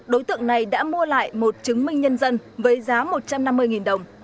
đối tượng này đã mua lại một chứng minh nhân dân với giá một trăm năm mươi đồng